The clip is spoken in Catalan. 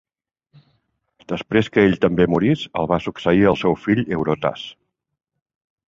Després que ell també morís, el va succeir el seu fill Eurotas.